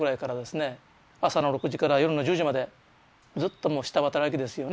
朝の６時から夜の１０時までずっともう下働きですよね。